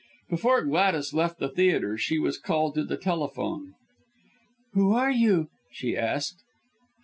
Before Gladys left the theatre, she was called on the telephone. "Who are you?" she asked.